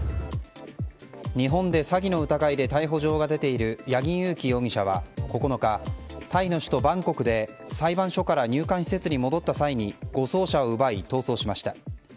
日本で詐欺の疑いで逮捕状が出ている八木佑樹容疑者は９日タイの首都バンコクで裁判所から入管施設に戻った際に護送車を奪い逃走しました。